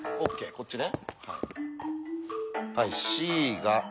こっちね。